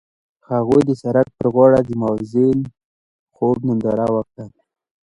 هغوی د سړک پر غاړه د موزون خوب ننداره وکړه.